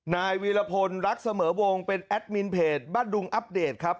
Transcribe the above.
นายวีรพลรักเสมอวงเป็นแอดมินเพจบ้านดุงอัปเดตครับ